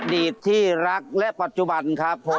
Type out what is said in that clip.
ดีตที่รักและปัจจุบันครับผม